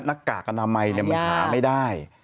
นักกากกอนามัยหมายามีหาไม่ได้